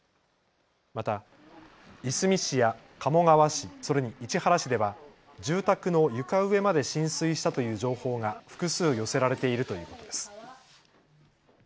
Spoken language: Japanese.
また、いすみ市や鴨川市、それに市原市では住宅の床上まで浸水したという情報が複数寄せられているということです。